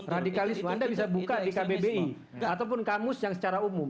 radikalisme anda bisa buka di kbbi ataupun kamus yang secara umum